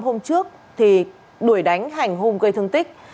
hôm trước đuổi đánh hành hung gây thương tích